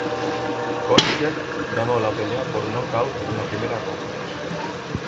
Koscheck ganó la pelea por nocaut en la primera ronda.